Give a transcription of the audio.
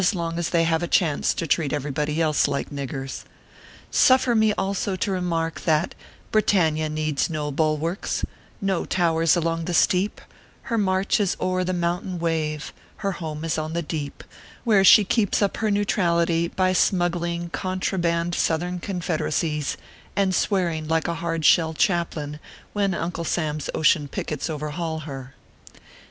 long as they have a chance to treat everybody else like niggers. Suffer me also to remark, that, Britannia needs no bulwarks, no towers along the steep ; her march is o er the mountain wave, her home is on the deep where she keeps up her neutrality by smuggling contraband Southern confederacies, and swearing like a hard shell chaplain when Uncle Sam s ocean pickets over haul her.